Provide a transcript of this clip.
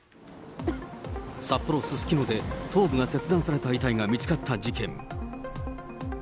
札幌・すすきので頭部が切断された遺体が見つかった事件。